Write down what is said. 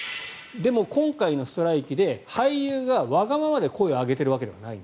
でも、今回のストライキで俳優がわがままで声を上げているわけではない。